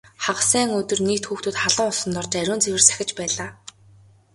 Хагас сайн өдөр нийт хүүхдүүд халуун усанд орж ариун цэвэр сахиж байлаа.